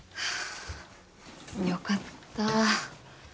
よかった。